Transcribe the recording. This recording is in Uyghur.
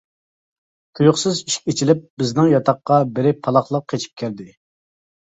تۇيۇقسىز ئىشىك ئېچىلىپ بىزنىڭ ياتاققا بىرى پالاقلاپ قېچىپ كىردى.